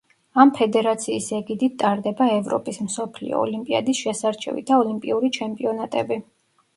ამ ფედერაციის ეგიდით ტარდება ევროპის, მსოფლიო, ოლიმპიადის შესარჩევი და ოლიმპიური ჩემპიონატები.